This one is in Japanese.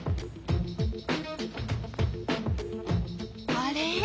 あれ？